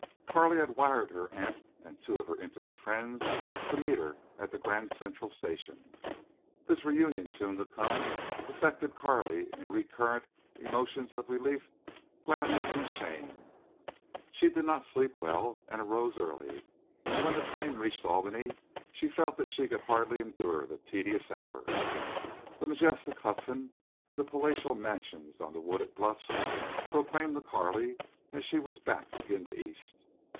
Carley had wired her aunt and two of her intimate friends to meet her at the Grand Central Station. This reunion soon to come affected Carley in recurrent emotions of relief, gladness, and shame. She did not sleep well, and arose early, and when the train reached Albany she felt that she could hardly endure the tedious hours. The majestic Hudson and the palatial mansions on the wooded bluffs proclaimed to Carley that she was back in the East.